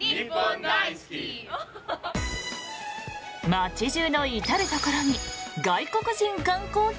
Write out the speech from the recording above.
街中の至るところに外国人観光客。